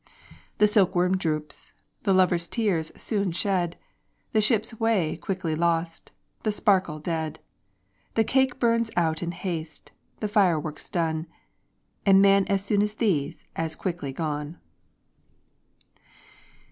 The silkworm droops, the lover's tears soon shed, The ship's way quickly lost, the sparkle dead; The cake burns out in haste, the firework's done, And man as soon as these as quickly gone."